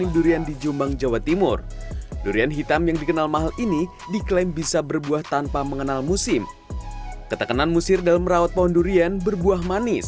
durian hitam adalah buah yang berasal dari negeri tetangga malaysia